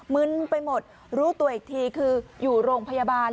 มึนไปหมดรู้ตัวอีกทีคืออยู่โรงพยาบาล